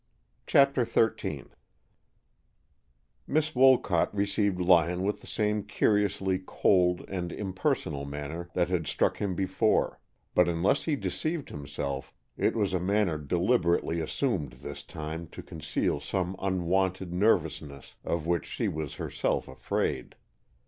CHAPTER XIII Miss Wolcott received Lyon with the same curiously cold and impersonal manner that had struck him before, but unless he deceived himself, it was a manner deliberately assumed this time to conceal some unwonted nervousness of which she was herself afraid.